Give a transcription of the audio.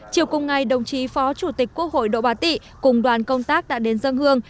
chiều cùng ngày đồng chí phó chủ tịch quốc hội độ bà tỵ cùng đoàn công tác đã đến dân hương